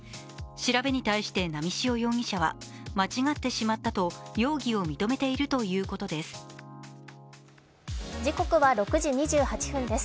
調べに対して波汐容疑者は、間違ってしまったと容疑を認めているということです。